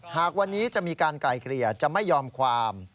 หากวันนี้จะมีการไกลเกลี่ยจะไม่ยอมความ